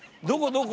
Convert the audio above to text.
どこ？